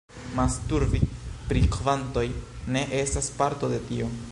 Masturbi pri kvantoj ne estas parto de tio.